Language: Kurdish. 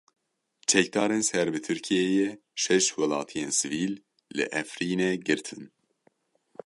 Çekdarên ser bi Tirkiyeyê şeş welatiyên sivîl li Efrînê girtin.